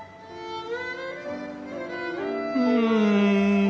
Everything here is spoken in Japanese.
うん！